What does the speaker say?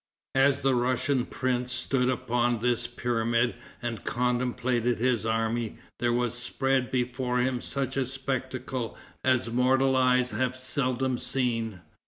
As the Russian prince stood upon this pyramid and contemplated his army, there was spread before him such a spectacle as mortal eyes have seldom seen.